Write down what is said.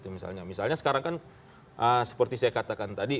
misalnya sekarang kan seperti saya katakan tadi